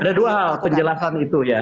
ada dua hal penjelasan itu ya